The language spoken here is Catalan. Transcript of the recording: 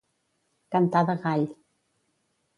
Cantar de gall.